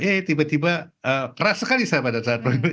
eh tiba tiba keras sekali saya pada saat